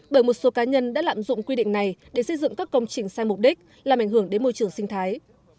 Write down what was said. bởi một số cá nhân đã lạm dụng quy định này để xây dựng các công trình sai mục đích làm ảnh hưởng đến môi trường sinh thái